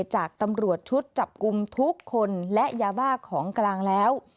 จากตำรวจชุดจับกลุ่มทุกคนและยาบ้าของกลางแล้ว